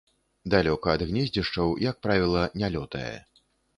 Далёка ад гнездзішчаў, як правіла, не лётае.